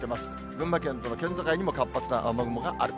群馬県との県境にも、活発な雨雲がある。